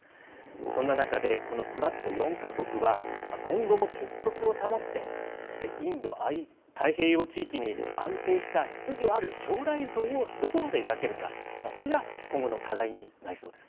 そんな中で、このクアッド４か国は、今後も結束を保って、そしてインド太平洋地域に安定した秩序ある将来像をどこまで描けるか、それが今後の課題になりそうです。